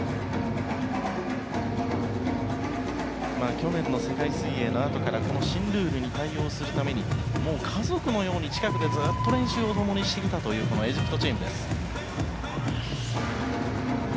去年の世界水泳のあとからこの新ルールに対応するために家族のように近くでずっと練習を共にしてきたというエジプトチームです。